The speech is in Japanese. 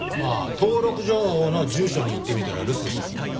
ああ登録情報の住所に行ってみたら留守でした。